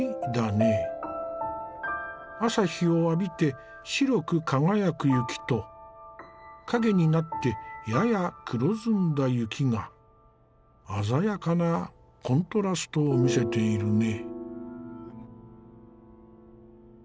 朝日を浴びて白く輝く雪と陰になってやや黒ずんだ雪が鮮やかなコントラストを見せているね。